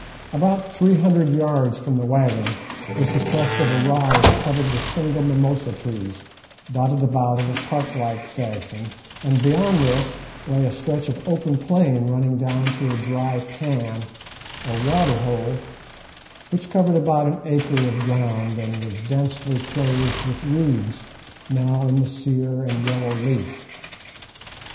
About three hundred yards from the waggon was the crest of a rise covered with single mimosa trees, dotted about in a park like fashion, and beyond this lay a stretch of open plain running down to a dry pan, or water hole, which covered about an acre of ground, and was densely clothed with reeds, now in the sere and yellow leaf.